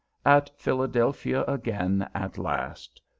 At Philadelphia again at last!